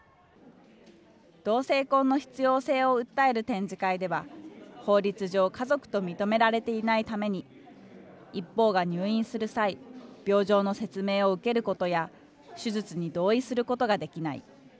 同性婚の必要性を訴える展示会では、法律上、家族と認められていないために、一方が入院する際、病状の説明を受けることや、手術に同意することができない。